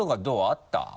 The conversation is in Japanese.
あった？